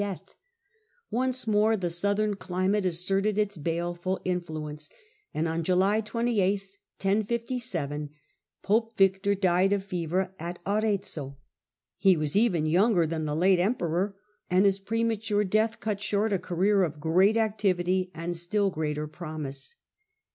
Death of Onco moro the southern climate asserted its 1057 '' baleful influence ; on July 28 pope Victor died of fever at Arezzo ; he was even younger than the late emperor, and his premature death cut short a career of great activity and still greater promise.